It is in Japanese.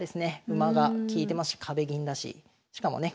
馬が利いてますし壁銀だししかもね